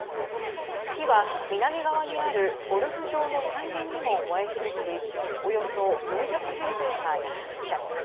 火は、南側にあるゴルフ場の山林にも燃え広がりおよそ４００平米が焼けました。